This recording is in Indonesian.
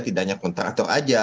tidak hanya kontraktor aja